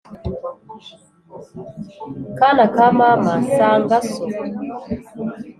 Kana ka mama sanga so